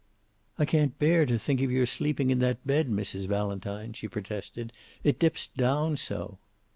"I can't bear to think of your sleeping in that bed, Mrs. Valentine," she protested. "It dips down so."